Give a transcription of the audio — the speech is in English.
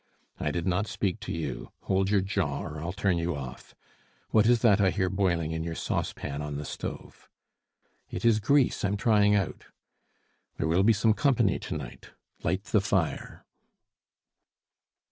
"I did not speak to you. Hold your jaw, or I'll turn you off! What is that I hear boiling in your saucepan on the stove?" "It is grease I'm trying out." "There will be some company to night. Light the fire."